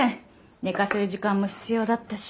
寝かせる時間も必要だったし。